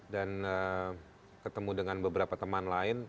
dan ketemu dengan beberapa teman lain